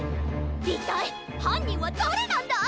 いったいはんにんはだれなんだ！？